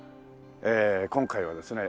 えー今回はですね